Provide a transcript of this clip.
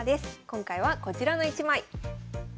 今回はこちらの一枚。